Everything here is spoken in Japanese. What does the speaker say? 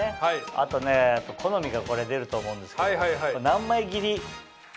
あとね好みがこれ出ると思うんですけども何枚切りが好きか？